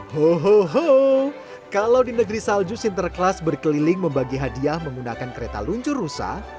hohoho kalau di negeri salju sinterklas berkeliling membagi hadiah menggunakan kereta luncur rusa